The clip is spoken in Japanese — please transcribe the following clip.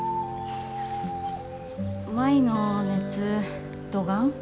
舞の熱どがん？